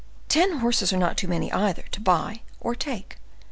Ten horses are not many, either, to buy or take.